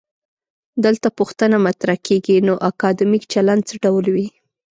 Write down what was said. دلته پوښتنه مطرح کيږي: نو اکادمیک چلند څه ډول وي؟